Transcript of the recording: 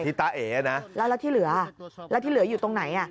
ที่ตะเอ๋นะแต่ที่เหลืออยู่ตรงไหน